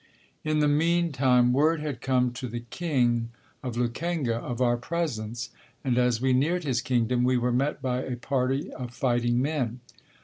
In the meantime word had come to the king of Lukenga of our presence and, as we neared his kingdom, we were met by a party of fighting men.